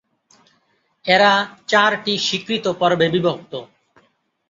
এরা চারটি স্বীকৃত পর্বে বিভক্ত।